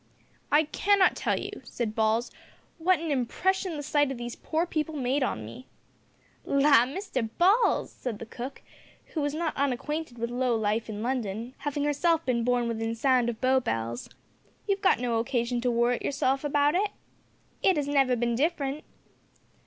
"I cannot tell you," said Balls, "what a impression the sight o' these poor people made on me." "La! Mr Balls," said the cook, who was not unacquainted with low life in London, having herself been born within sound of Bow Bells, "you've got no occasion to worrit yourself about it. It 'as never bin different."